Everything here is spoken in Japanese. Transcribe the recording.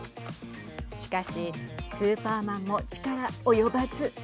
しかしスーパーマンも力及ばず。